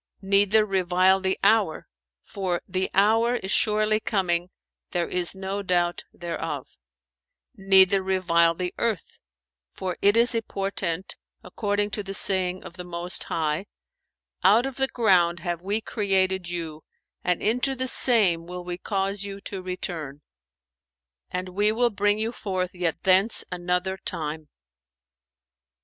neither revile the hour, for, 'The Hour is surely coming, there is no doubt thereof';[FN#431] neither revile the earth, for it is a portent, according to the saying of the Most High, 'Out of the ground have we created you, and into the same will we cause you to return, and we will bring you forth yet thence another time.'"